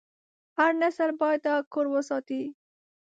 هر نسل باید دا کور وساتي.